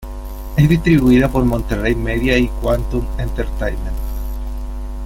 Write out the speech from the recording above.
Es distribuida por Monterey Media y Quantum Entertainment.